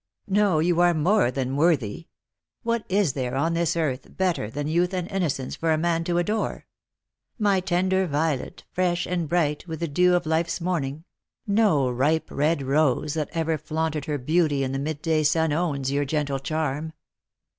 "No, you are more than worthy. What is there on this Lost for Love. 143 earth better than youth and innocence for a man to adore? My tender violet, fresh and bright with the dew of life's morn ing, no ripe red rose that ever flaunted her beauty in the mid day sun owns your gentle charm.